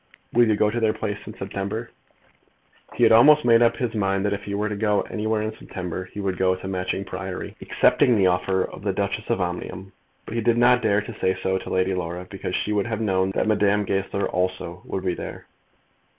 Will you go to their place in September?" He had almost made up his mind that if he went anywhere in September he would go to Matching Priory, accepting the offer of the Duchess of Omnium; but he did not dare to say so to Lady Laura, because she would have known that Madame Goesler also would be there.